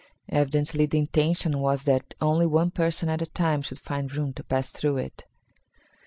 Evidently the intention was that only one person at a time should find room to pass through it.